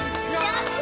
やった！